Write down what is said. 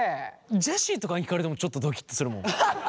ジェシーとかに聞かれてもちょっとドキッとするもん。